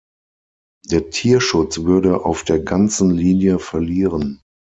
Der Tierschutz würde auf der ganzen Linie verlieren.